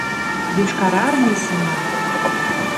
Йошкар Армий сеҥа.